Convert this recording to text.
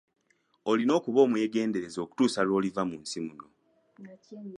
Olina okuba omwegendereza okutuusa lw'oliva mu nsi muno.